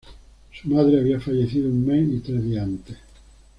Su madre había fallecido un mes y tres días antes.